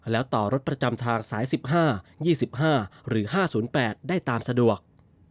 แล้วต่อรถประจำทางสาย๑๕๒๕หรือ๕๐๘ได้ตามสะดวก